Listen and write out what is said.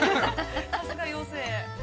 ◆さすが妖精。